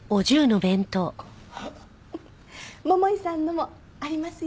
桃井さんのもありますよ。